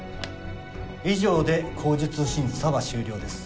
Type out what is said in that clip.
以上で口述審査は終了です。